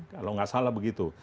kalau nggak salah begitu